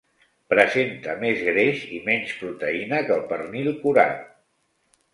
Presenta més greix i menys proteïna que el pernil curat.